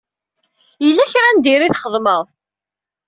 Yella kra n diri i txedmeḍ?